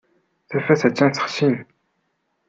Tafat attan texsi.